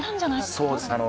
そうですね。